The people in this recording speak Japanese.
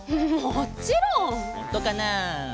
ほんとかな？